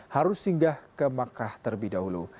harus singgah ke makkah terlebih dahulu